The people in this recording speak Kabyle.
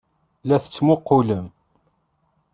La d-tettmuqqulem.